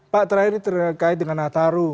pak terakhir ini terkait dengan nataru